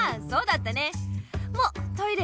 トイレ？